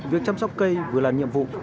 việc chăm sóc cây vừa là nhiệm vụ